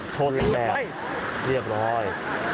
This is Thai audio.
ชดแบบเรียบร้อย